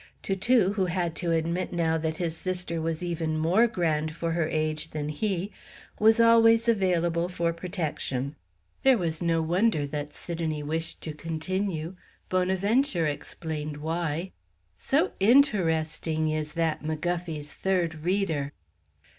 Toutou, who had to admit now that his sister was even more grand for her age than he, was always available for protection. There was no wonder that Sidonie wished to continue; Bonaventure explained why: "So in_ter_esting is that McGuffey's Third Reader!"